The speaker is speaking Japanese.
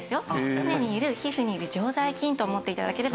常にいる皮膚にいる常在菌と思って頂ければ大丈夫です。